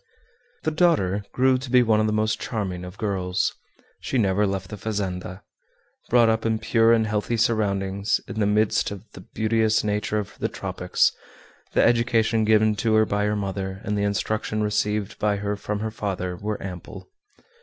The daughter grew to be one of the most charming of girls. She never left the fazenda. Brought up in pure and healthy surroundings, in the midst of the beauteous nature of the tropics, the education given to her by her mother, and the instruction received by her from her father, were ample.